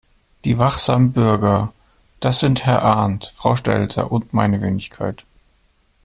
Die wachsamen Bürger, das sind Herr Arndt, Frau Stelzer und meine Wenigkeit.